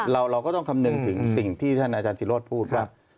เราก็ต้องคำนึงถึงสิ่งที่ท่านอาจารย์ศิโรธพูดว่า